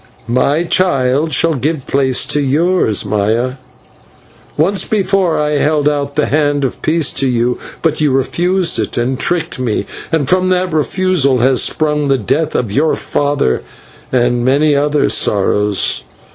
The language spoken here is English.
My child shall give place to yours, Maya. Once before I held out the hand of peace to you, but you refused it and tricked me, and from that refusal has sprung the death of your father and many other sorrows.